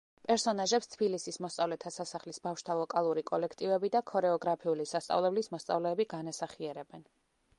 პერსონაჟებს თბილისის მოსწავლეთა სასახლის ბავშვთა ვოკალური კოლექტივები და ქორეოგრაფიული სასწავლებლის მოსწავლეები განასახიერებენ.